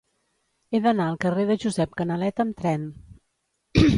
He d'anar al carrer de Josep Canaleta amb tren.